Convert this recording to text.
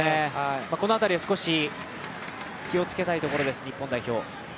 この辺りは少し気をつけたいところです、日本代表。